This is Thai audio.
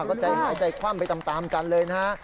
ก็ใจหายใจคว่ำไปตามกันเลยนะฮะ